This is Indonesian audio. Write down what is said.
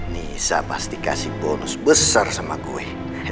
nisa pasti kasih bonus besar sama gue